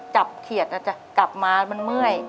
จับเขียตอ่ะจ๊ะกลับมามันเมื่อย